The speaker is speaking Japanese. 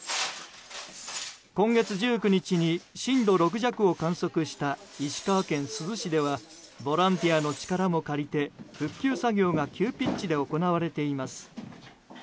今月１９日に震度６弱を観測した石川県珠洲市ではボランティアの力も借りて復旧作業が急ピッチで行われています。